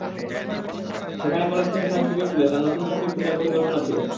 সেখানে কলেজ থেকে সার্টিফিকেট তুলে তাঁর নতুন চাকরি খোঁজার পরিকল্পনা ছিল।